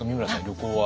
旅行は？